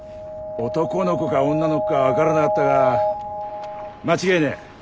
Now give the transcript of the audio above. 男の子か女の子か分からなかったが間違いねえ。